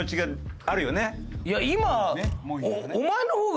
いや今。